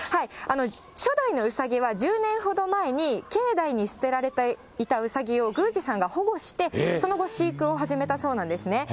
初代のウサギは１０年ほど前に境内に捨てられていたウサギを宮司さんが保護して、その後、飼育を始めたそうなんですね。